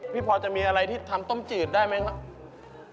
พี่พอร์ตจะมีอะไรที่ทำต้มจืดได้ไหมสักสิปี